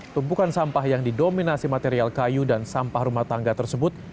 tumpukan sampah yang didominasi material kayu dan sampah rumah tangga tersebut